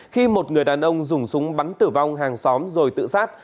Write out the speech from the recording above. khi một người đàn ông dùng súng bắn tử vong hàng xóm rồi tự sát